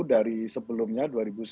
dari sebelumnya dua ribu sembilan belas